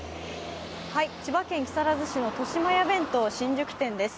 千葉県木更津市のとしまや弁当新宿店です。